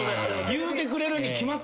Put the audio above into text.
言うてくれるに決まってると。